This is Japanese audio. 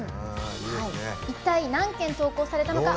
一体、何件投稿されたのか。